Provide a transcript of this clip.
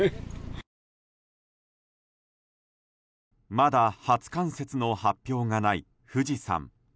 まだ初冠雪の発表がない富士山。